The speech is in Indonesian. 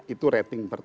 itu rating pertama